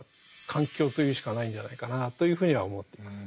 「環境」と言うしかないんじゃないかなというふうには思っています。